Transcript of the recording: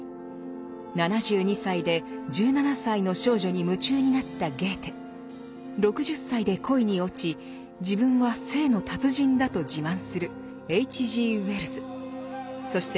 ７２歳で１７歳の少女に夢中になった６０歳で恋に落ち自分は性の達人だと自慢するそして